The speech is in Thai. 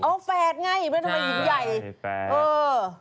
แฟดไงทำไมหินใหญ่